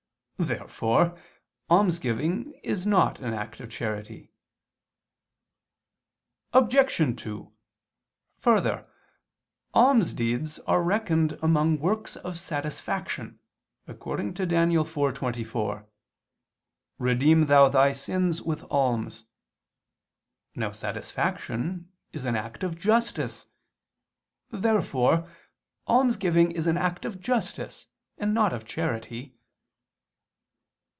Therefore almsgiving is not an act of charity. Obj. 2: Further, almsdeeds are reckoned among works of satisfaction, according to Dan. 4:24: "Redeem thou thy sins with alms." Now satisfaction is an act of justice. Therefore almsgiving is an act of justice and not of charity.